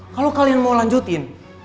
kalo kalian mau lanjutin